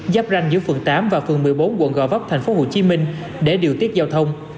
giáp ranh giữa phường tám và phường một mươi bốn quận gò vấp thành phố hồ chí minh để điều tiết giao thông